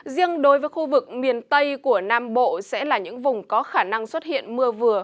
riêng đối với khu vực miền tây của nam bộ sẽ là những vùng có khả năng xuất hiện mưa vừa